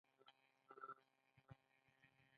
تر ټولو اوږد اعصاب پښې ته رسېږي.